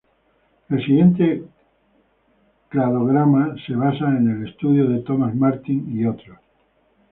El siguiente cladograma se basa en el estudio de Thomas Martin "et al.